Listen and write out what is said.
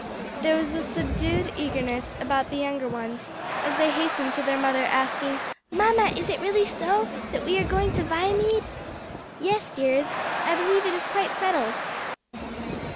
There was a subdued eagerness about the younger ones, as they hastened to their mother asking, "Mamma, is it really so that we are going to Viamede?" "Yes, dears, I believe it is quite settled.